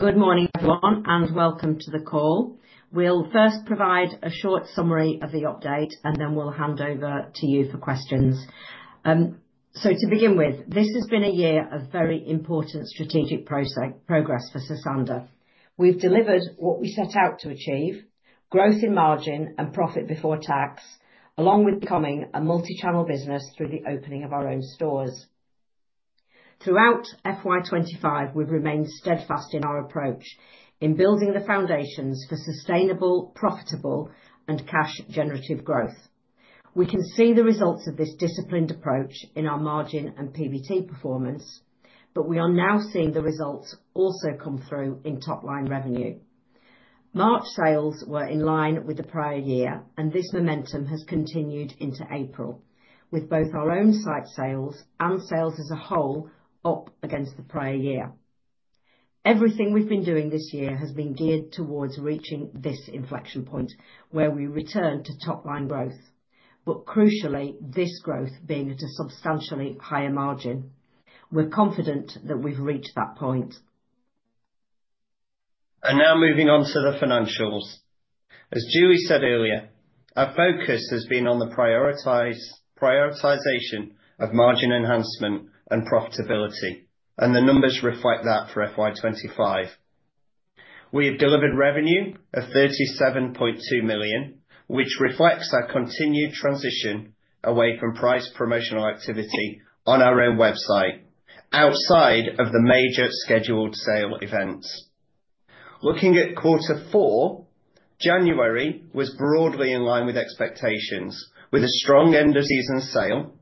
Good morning, everyone, and welcome to the call. We'll first provide a short summary of the update, and then we'll hand over to you for questions. To begin with, this has been a year of very important strategic progress for Sosandar. We've delivered what we set out to achieve: growth in margin and profit before tax, along with becoming a multi-channel business through the opening of our own stores. Throughout FY 2025, we've remained steadfast in our approach in building the foundations for sustainable, profitable, and cash-generative growth. We can see the results of this disciplined approach in our margin and PBT performance, but we are now seeing the results also come through in top-line revenue. March sales were in line with the prior year, and this momentum has continued into April, with both our own site sales and sales as a whole up against the prior year. Everything we've been doing this year has been geared towards reaching this inflection point where we return to top-line growth, but crucially, this growth being at a substantially higher margin. We're confident that we've reached that point. Now moving on to the financials. As Julie said earlier, our focus has been on the prioritization of margin enhancement and profitability, and the numbers reflect that for FY 2025. We have delivered revenue of 37.2 million, which reflects our continued transition away from price promotional activity on our own website outside of the major scheduled sale events. Looking at quarter four, January was broadly in line with expectations, with a strong end of season sale.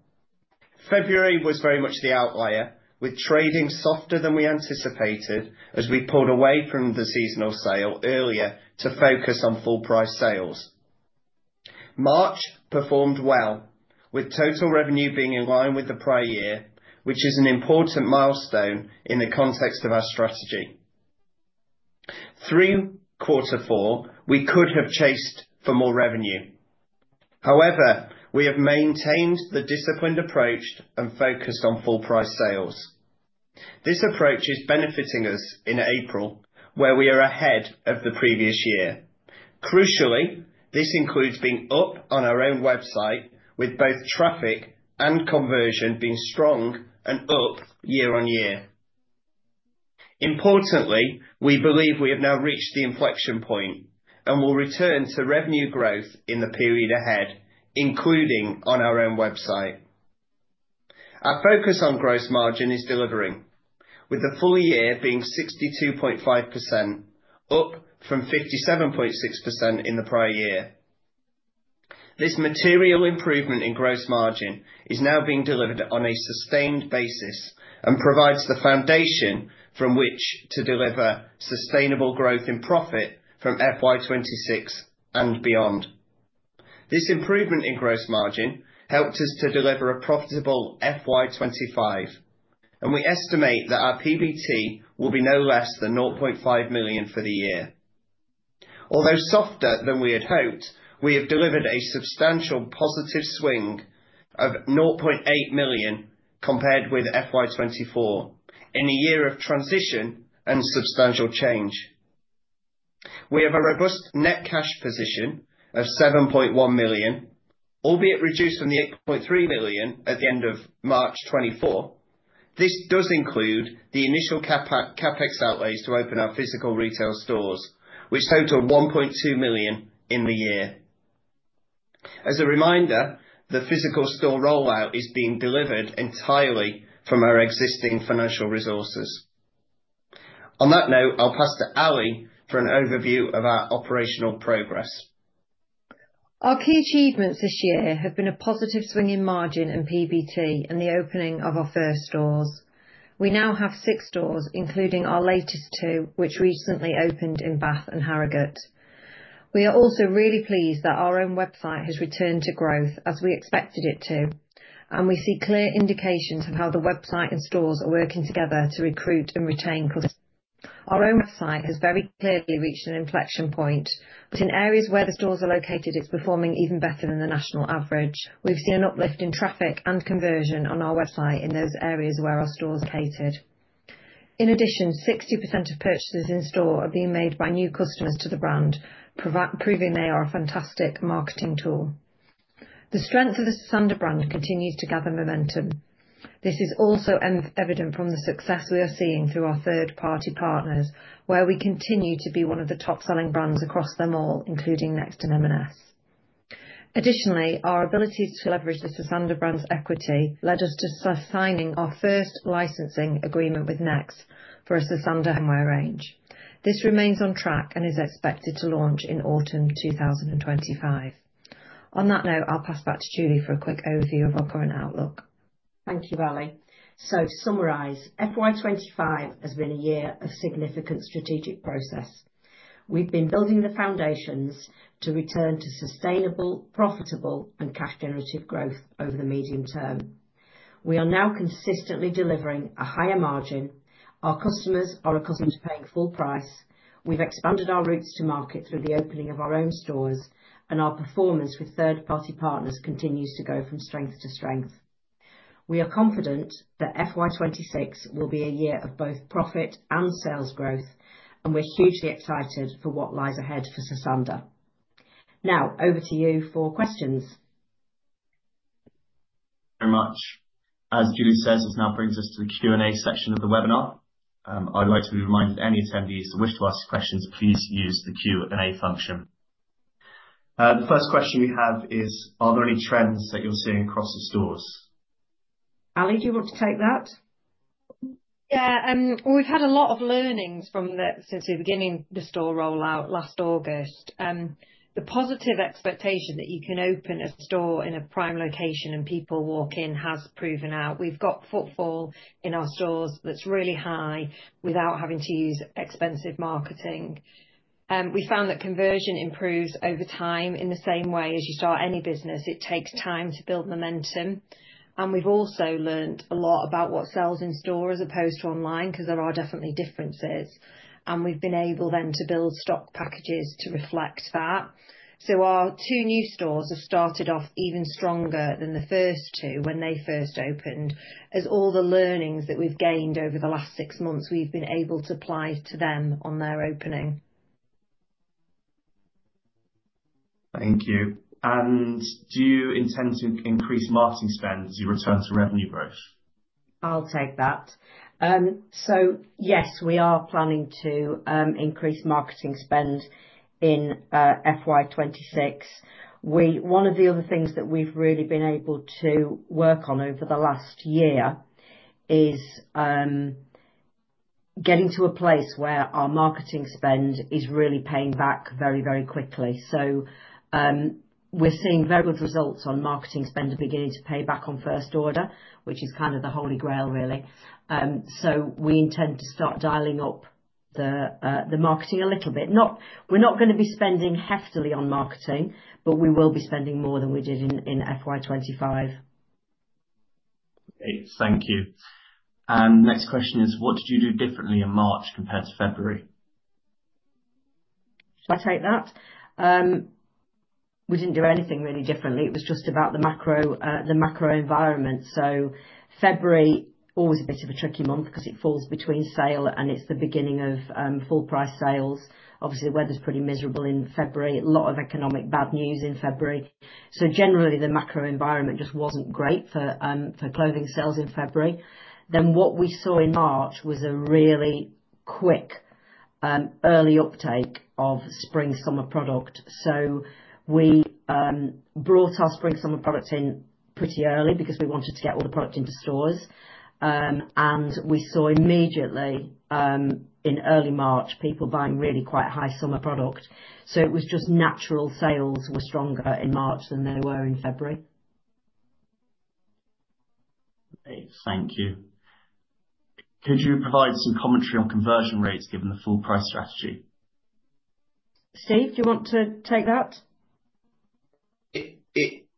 February was very much the outlier, with trading softer than we anticipated as we pulled away from the seasonal sale earlier to focus on full-price sales. March performed well, with total revenue being in line with the prior year, which is an important milestone in the context of our strategy. Through quarter four, we could have chased for more revenue. However, we have maintained the disciplined approach and focused on full-price sales. This approach is benefiting us in April, where we are ahead of the previous year. Crucially, this includes being up on our own website, with both traffic and conversion being strong and up year on year. Importantly, we believe we have now reached the inflection point and will return to revenue growth in the period ahead, including on our own website. Our focus on gross margin is delivering, with the full year being 62.5%, up from 57.6% in the prior year. This material improvement in gross margin is now being delivered on a sustained basis and provides the foundation from which to deliver sustainable growth in profit from FY 2026 and beyond. This improvement in gross margin helped us to deliver a profitable FY 2025, and we estimate that our PBT will be no less than 0.5 million for the year. Although softer than we had hoped, we have delivered a substantial positive swing of 0.8 million compared with FY 2024 in a year of transition and substantial change. We have a robust net cash position of 7.1 million, albeit reduced from the 8.3 million at the end of March 2024. This does include the initial CapEx outlays to open our physical retail stores, which totaled 1.2 million in the year. As a reminder, the physical store rollout is being delivered entirely from our existing financial resources. On that note, I'll pass to Ali for an overview of our operational progress. Our key achievements this year have been a positive swing in margin and PBT and the opening of our first stores. We now have six stores, including our latest two, which recently opened in Bath and Harrogate. We are also really pleased that our own website has returned to growth as we expected it to, and we see clear indications of how the website and stores are working together to recruit and retain customers. Our own website has very clearly reached an inflection point, but in areas where the stores are located, it is performing even better than the national average. We have seen an uplift in traffic and conversion on our website in those areas where our stores catered. In addition, 60% of purchases in store are being made by new customers to the brand, proving they are a fantastic marketing tool. The strength of the Sosandar brand continues to gather momentum. This is also evident from the success we are seeing through our third-party partners, where we continue to be one of the top-selling brands across them all, including Next and M&S. Additionally, our ability to leverage the Sosandar brand's equity led us to signing our first licensing agreement with Next for a Sosandar footwear range. This remains on track and is expected to launch in autumn 2025. On that note, I'll pass back to Julie for a quick overview of our current outlook. Thank you, Ali. To summarize, FY 2025 has been a year of significant strategic process. We've been building the foundations to return to sustainable, profitable, and cash-generative growth over the medium term. We are now consistently delivering a higher margin. Our customers are accustomed to paying full price. We've expanded our routes to market through the opening of our own stores, and our performance with third-party partners continues to go from strength to strength. We are confident that FY 2026 will be a year of both profit and sales growth, and we're hugely excited for what lies ahead for Sosandar. Now, over to you for questions. Thank you very much. As Julie says, this now brings us to the Q&A section of the webinar. I'd like to remind any attendees who wish to ask questions, please use the Q&A function. The first question we have is, are there any trends that you're seeing across the stores? Ali, do you want to take that? Yeah, we've had a lot of learnings since we were beginning the store rollout last August. The positive expectation that you can open a store in a prime location and people walk in has proven out. We've got footfall in our stores that's really high without having to use expensive marketing. We found that conversion improves over time in the same way as you start any business. It takes time to build momentum. We have also learned a lot about what sells in store as opposed to online because there are definitely differences. We have been able then to build stock packages to reflect that. Our two new stores have started off even stronger than the first two when they first opened, as all the learnings that we've gained over the last six months, we've been able to apply to them on their opening. Thank you. Do you intend to increase marketing spend as you return to revenue growth? I'll take that. Yes, we are planning to increase marketing spend in FY 2026. One of the other things that we've really been able to work on over the last year is getting to a place where our marketing spend is really paying back very, very quickly. We're seeing very good results on marketing spend beginning to pay back on first order, which is kind of the holy grail, really. We intend to start dialing up the marketing a little bit. We're not going to be spending heftily on marketing, but we will be spending more than we did in FY 2025. Great. Thank you. The next question is, what did you do differently in March compared to February? Shall I take that? We did not do anything really differently. It was just about the macro environment. February is always a bit of a tricky month because it falls between sale and it is the beginning of full-price sales. Obviously, the weather is pretty miserable in February. A lot of economic bad news in February. Generally, the macro environment just was not great for clothing sales in February. What we saw in March was a really quick early uptake of spring-summer product. We brought our spring-summer products in pretty early because we wanted to get all the product into stores. We saw immediately in early March people buying really quite high summer product. It was just natural sales were stronger in March than they were in February. Great. Thank you. Could you provide some commentary on conversion rates given the full-price strategy? Steve, do you want to take that?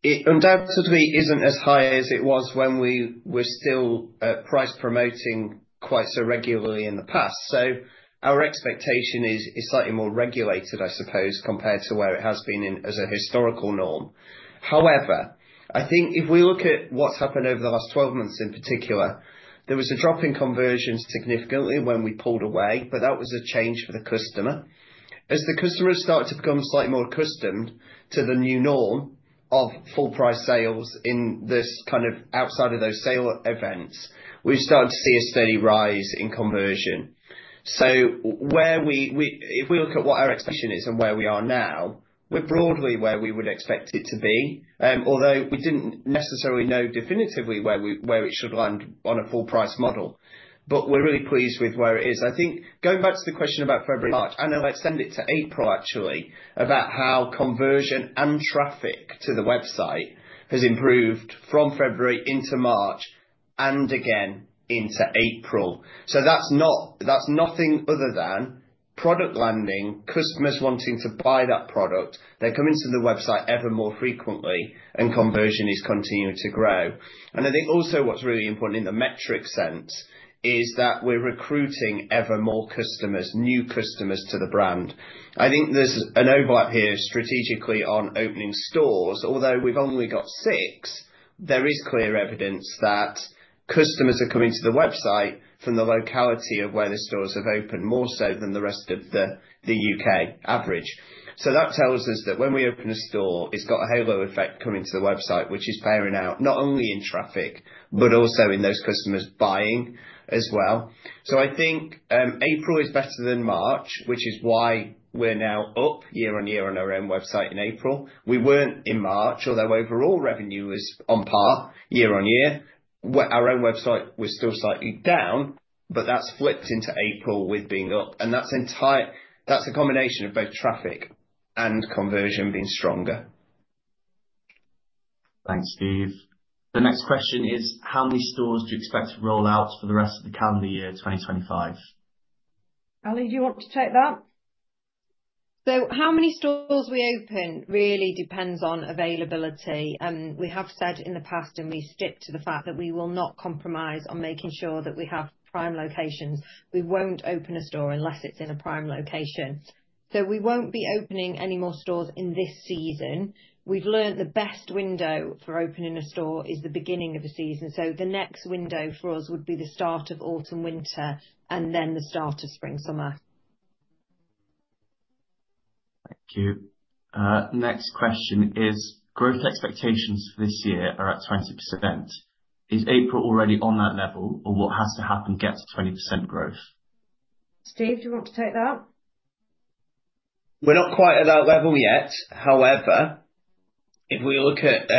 It undoubtedly isn't as high as it was when we were still price-promoting quite so regularly in the past. Our expectation is slightly more regulated, I suppose, compared to where it has been as a historical norm. However, I think if we look at what's happened over the last 12 months in particular, there was a drop in conversion significantly when we pulled away, but that was a change for the customer. As the customers started to become slightly more accustomed to the new norm of full-price sales in this kind of outside of those sale events, we started to see a steady rise in conversion. If we look at what our expectation is and where we are now, we're broadly where we would expect it to be, although we didn't necessarily know definitively where it should land on a full-price model. We're really pleased with where it is. I think going back to the question about February and March, and I'll extend it to April, actually, about how conversion and traffic to the website has improved from February into March and again into April. That's nothing other than product landing, customers wanting to buy that product. They're coming to the website ever more frequently, and conversion is continuing to grow. I think also what's really important in the metric sense is that we're recruiting ever more customers, new customers to the brand. I think there's an overlap here strategically on opening stores. Although we've only got six, there is clear evidence that customers are coming to the website from the locality of where the stores have opened more so than the rest of the U.K. average. That tells us that when we open a store, it's got a halo effect coming to the website, which is bearing out not only in traffic, but also in those customers buying as well. I think April is better than March, which is why we're now up year on year on our own website in April. We weren't in March, although overall revenue was on par year on year. Our own website was still slightly down, but that's flipped into April with being up. That's a combination of both traffic and conversion being stronger. Thanks, Steve. The next question is, how many stores do you expect to roll out for the rest of the calendar year 2025? Ali, do you want to take that? How many stores we open really depends on availability. We have said in the past, and we stick to the fact that we will not compromise on making sure that we have prime locations. We won't open a store unless it's in a prime location. We won't be opening any more stores in this season. We've learned the best window for opening a store is the beginning of the season. The next window for us would be the start of autumn, winter, and then the start of spring-summer. Thank you. Next question is, growth expectations for this year are at 20%. Is April already on that level, or what has to happen to get to 20% growth? Steve, do you want to take that? We're not quite at that level yet. However, if we look at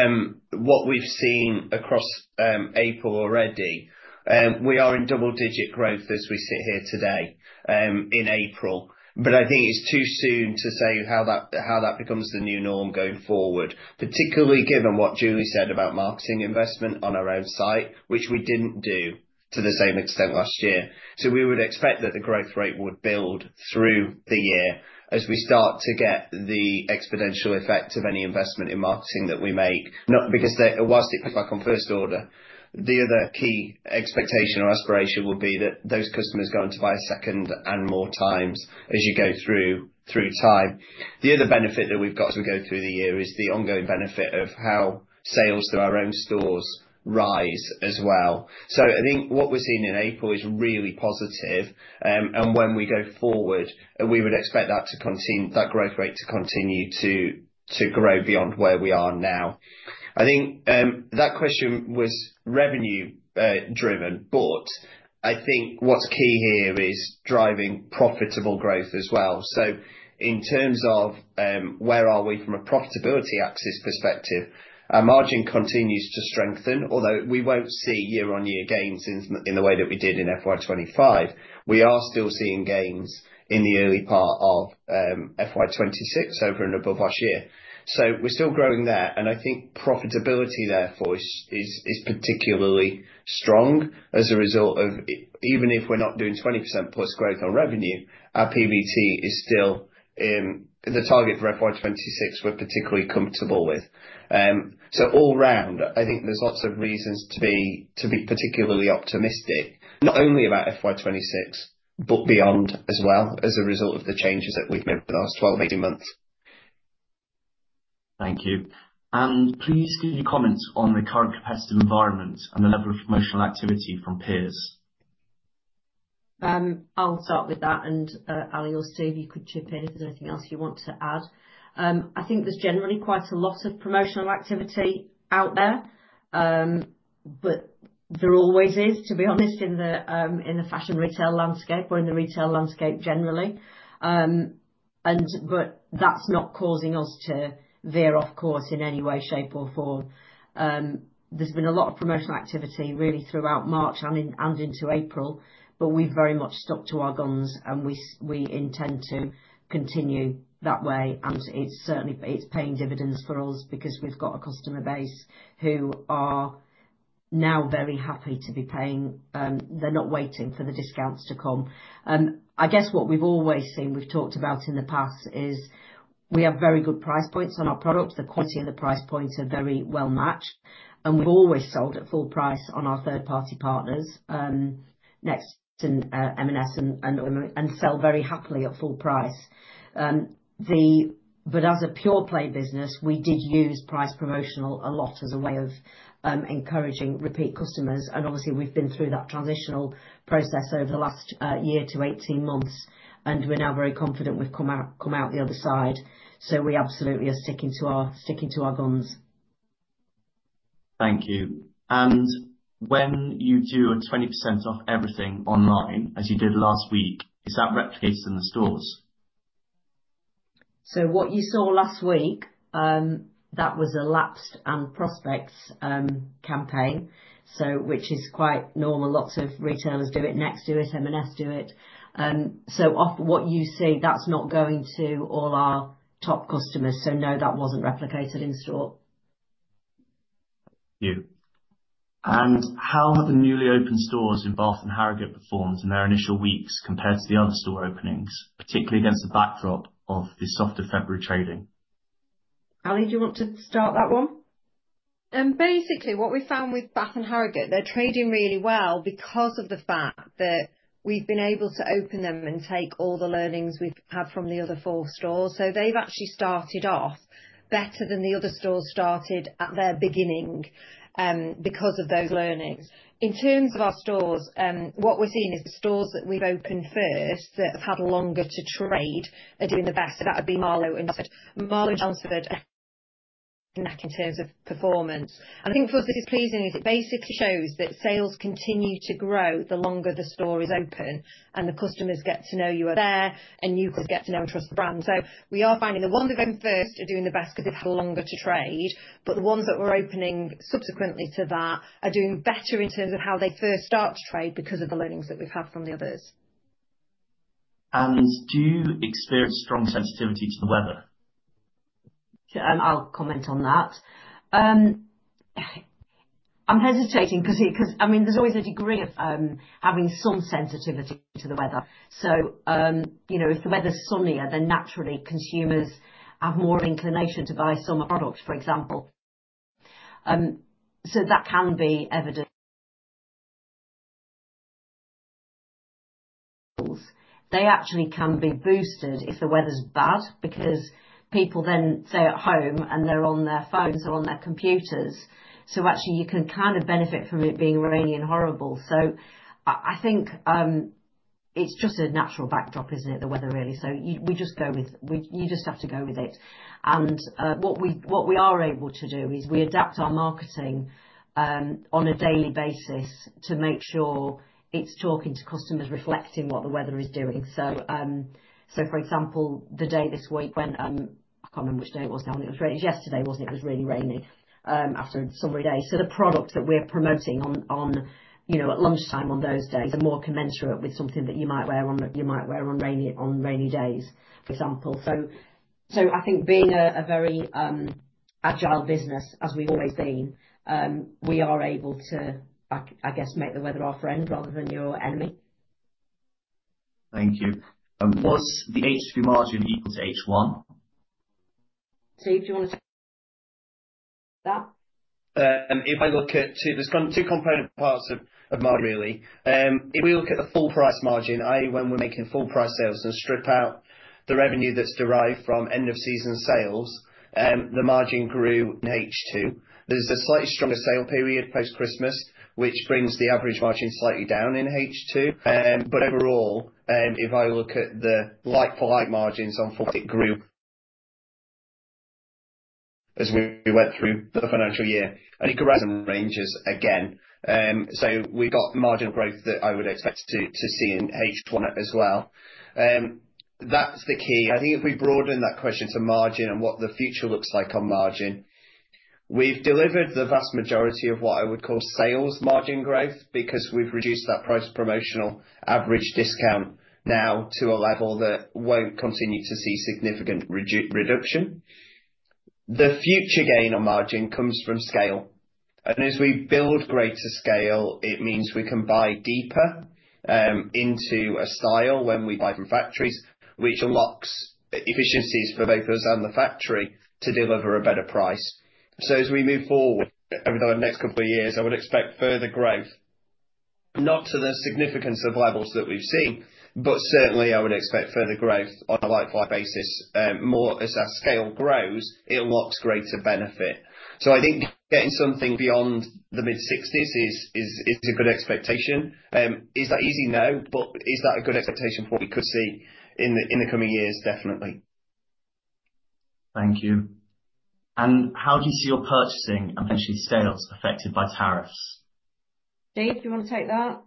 what we've seen across April already, we are in double-digit growth as we sit here today in April. I think it's too soon to say how that becomes the new norm going forward, particularly given what Julie said about marketing investment on our own site, which we didn't do to the same extent last year. We would expect that the growth rate would build through the year as we start to get the exponential effect of any investment in marketing that we make. Not because whilst it comes back on first order, the other key expectation or aspiration would be that those customers are going to buy second and more times as you go through time. The other benefit that we've got as we go through the year is the ongoing benefit of how sales through our own stores rise as well. I think what we're seeing in April is really positive. When we go forward, we would expect that growth rate to continue to grow beyond where we are now. I think that question was revenue-driven, but I think what's key here is driving profitable growth as well. In terms of where are we from a profitability axis perspective, our margin continues to strengthen, although we won't see year-on-year gains in the way that we did in FY 2025. We are still seeing gains in the early part of FY 2026 over and above last year. We're still growing there. I think profitability, therefore, is particularly strong as a result of even if we're not doing 20%+ growth on revenue, our PBT is still the target for FY 2026 we're particularly comfortable with. All round, I think there's lots of reasons to be particularly optimistic, not only about FY 2026, but beyond as well as a result of the changes that we've made in the last 12 months. Thank you. Please give your comments on the current competitive environment and the level of promotional activity from peers. I'll start with that. Ali or Steve, you could chip in if there's anything else you want to add. I think there's generally quite a lot of promotional activity out there, but there always is, to be honest, in the fashion retail landscape or in the retail landscape generally. That is not causing us to veer off course in any way, shape, or form. There's been a lot of promotional activity really throughout March and into April, but we've very much stuck to our guns, and we intend to continue that way. It is certainly paying dividends for us because we've got a customer base who are now very happy to be paying. They're not waiting for the discounts to come. I guess what we've always seen, we've talked about in the past, is we have very good price points on our products. The quality and the price points are very well matched. We have always sold at full price on our third-party partners, Next and M&S, and sell very happily at full price. As a pure-play business, we did use price promotional a lot as a way of encouraging repeat customers. Obviously, we have been through that transitional process over the last year to 18 months, and we are now very confident we have come out the other side. We absolutely are sticking to our guns. Thank you. When you do a 20% off everything online, as you did last week, is that replicated in the stores? What you saw last week, that was a lapsed and prospects campaign, which is quite normal. Lots of retailers do it. Next do it. M&S do it. What you see, that's not going to all our top customers. No, that wasn't replicated in store. Thank you. How have the newly opened stores in Bath and Harrogate performed in their initial weeks compared to the other store openings, particularly against the backdrop of the soft February trading? Ali, do you want to start that one? Basically, what we found with Bath and Harrogate, they're trading really well because of the fact that we've been able to open them and take all the learnings we've had from the other four stores. They've actually started off better than the other stores started at their beginning because of those learnings. In terms of our stores, what we're seeing is the stores that we've opened first that have had longer to trade are doing the best. That would be Marlow and Marlow and Chelmsford in terms of performance. I think for us, this is pleasing as it basically shows that sales continue to grow the longer the store is open, and the customers get to know you are there, and you get to know and trust the brand. We are finding the ones that have opened first are doing the best because they've had longer to trade, but the ones that were opening subsequently to that are doing better in terms of how they first start to trade because of the learnings that we've had from the others. Do you experience strong sensitivity to the weather? I'll comment on that. I'm hesitating because, I mean, there's always a degree of having some sensitivity to the weather. If the weather's sunnier, then naturally consumers have more inclination to buy summer products, for example. That can be evident. They actually can be boosted if the weather's bad because people then stay at home, and they're on their phones or on their computers. Actually, you can kind of benefit from it being rainy and horrible. I think it's just a natural backdrop, isn't it? The weather really. We just go with it. What we are able to do is we adapt our marketing on a daily basis to make sure it's talking to customers, reflecting what the weather is doing. For example, the day this week when I can't remember which day it was now when it was raining. It was yesterday, wasn't it? It was really rainy after a summery day. The products that we're promoting at lunchtime on those days are more commensurate with something that you might wear on rainy days, for example. I think being a very agile business, as we've always been, we are able to, I guess, make the weather our friend rather than your enemy. Thank you. Was the H3 margin equal to H1? Steve, do you want to take that? If I look at two component parts of margin, really. If we look at the full price margin, when we're making full price sales and strip out the revenue that's derived from end-of-season sales, the margin grew in H2. There is a slightly stronger sale period post-Christmas, which brings the average margin slightly down in H2. Overall, if I look at the like-for-like margins on four, it grew as we went through the financial year. It could rise in ranges again. We have got marginal growth that I would expect to see in H1 as well. That is the key. I think if we broaden that question to margin and what the future looks like on margin, we have delivered the vast majority of what I would call sales margin growth because we have reduced that price promotional average discount now to a level that will not continue to see significant reduction. The future gain on margin comes from scale. As we build greater scale, it means we can buy deeper into a style when we buy from factories, which unlocks efficiencies for both us and the factory to deliver a better price. As we move forward over the next couple of years, I would expect further growth, not to the significance of levels that we've seen, but certainly I would expect further growth on a like-for-like basis. More as our scale grows, it unlocks greater benefit. I think getting something beyond the mid-60s is a good expectation. Is that easy? No. Is that a good expectation for what we could see in the coming years? Definitely. Thank you. How do you see your purchasing and potentially sales affected by tariffs? Dilks, do you want to take that?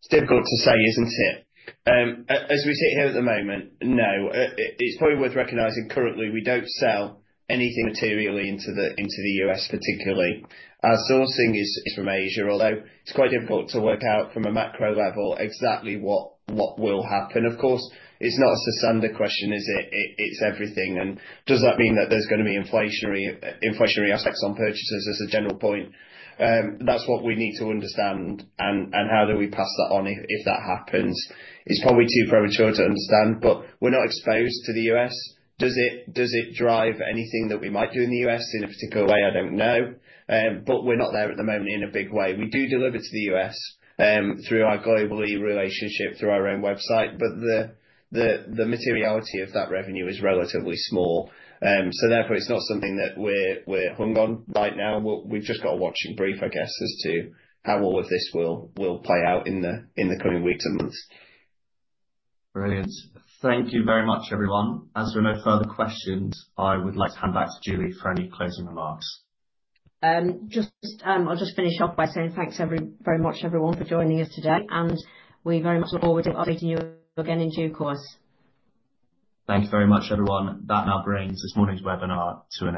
It's difficult to say, isn't it? As we sit here at the moment, no. It's probably worth recognizing currently we don't sell anything materially into the U.S., particularly. Our sourcing is from Asia, although it's quite difficult to work out from a macro level exactly what will happen. Of course, it's not a Sosandar question, is it? It's everything. Does that mean that there's going to be inflationary aspects on purchases as a general point? That's what we need to understand. How do we pass that on if that happens? It's probably too premature to understand, but we're not exposed to the U.S. Does it drive anything that we might do in the U.S. in a particular way? I don't know. We're not there at the moment in a big way. We do deliver to the U.S. through our global e-relationship, through our own website, but the materiality of that revenue is relatively small. Therefore, it's not something that we're hung on right now. We've just got a watching brief, I guess, as to how all of this will play out in the coming weeks and months. Brilliant. Thank you very much, everyone. As there are no further questions, I would like to hand back to Julie for any closing remarks. I'll just finish off by saying thanks very much, everyone, for joining us today. We very much look forward to updating you again in due course. Thank you very much, everyone. That now brings this morning's webinar to an end.